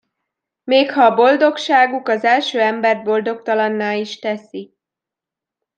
Mégha a boldogságuk az első embert boldogtalanná is teszi.